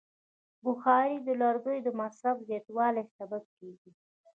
بخاري د لرګیو د مصرف زیاتوالی سبب کېږي.